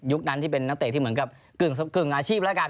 นั้นที่เป็นนักเตะที่เหมือนกับกึ่งอาชีพแล้วกัน